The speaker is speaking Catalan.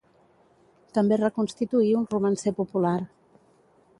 També reconstituí un Romancer popular.